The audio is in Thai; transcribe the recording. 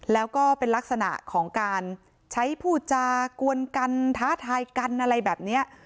แล้วก็เป็นลักษณะของการใช้พูดจากวนกันท้าทายกันอะไรแบบนี้